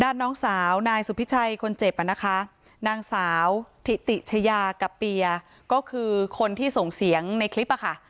น้องสาวนายสุพิชัยคนเจ็บอ่ะนะคะนางสาวถิติชายากับเปียก็คือคนที่ส่งเสียงในคลิปอะค่ะ